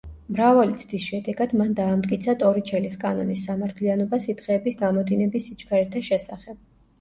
მრავალი ცდის შედეგად მან დაამტკიცა ტორიჩელის კანონის სამართლიანობა სითხეების გამოდინების სიჩქარეთა შესახებ.